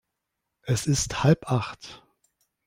Es ist halb Acht.